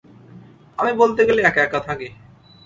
আমি বলতে গেলে একা-একা থাকি।